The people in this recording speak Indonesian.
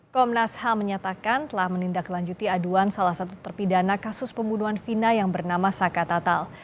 komnas ham menyatakan telah menindaklanjuti aduan salah satu terpidana kasus pembunuhan vina yang bernama saka tatal